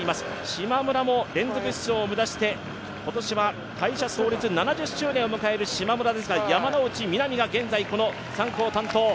しまむらも連続出場を目指して今年は会社創立７０周年を迎えるしまむらですが山ノ内みなみが現在、３区を担当。